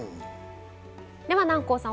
では南光さん